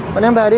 bọn em về đi